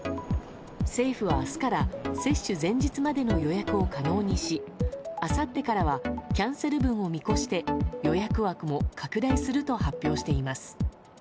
政府は明日から接種前日までの予約を可能にしあさってからはキャンセル分を見越して予約枠も拡大すると発表しています。